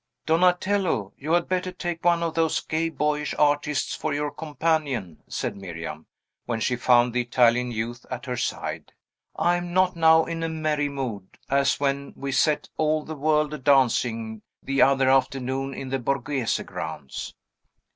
"Donatello, you had better take one of those gay, boyish artists for your companion," said Miriam, when she found the Italian youth at her side. "I am not now in a merry mood, as when we set all the world a dancing the other afternoon, in the Borghese grounds."